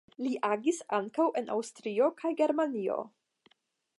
Li agis ankaŭ en Aŭstrio kaj Germanio.